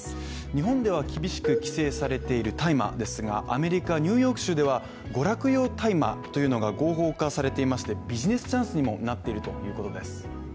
日本では厳しく規制されている大麻ですがアメリカニューヨーク州では娯楽用大麻というのが合法化されていましてビジネスチャンスにもなっているということです。